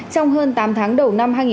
trong hơn tám tháng đầu năm